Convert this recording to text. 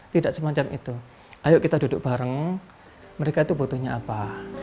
tidak semacam itu ayo kita duduk bareng mereka itu butuhnya apa